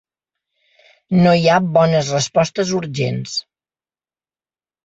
No hi ha bones respostes urgents.